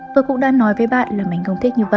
tôi cũng đã nói với bạn là mình không thích như vậy